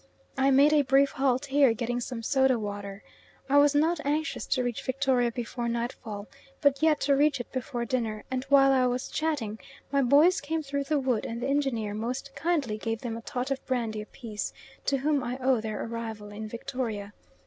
I made a brief halt here, getting some soda water. I was not anxious to reach Victoria before nightfall, but yet to reach it before dinner, and while I was chatting, my boys came through the wood and the engineer most kindly gave them a tot of brandy apiece, to which I owe their arrival in Victoria.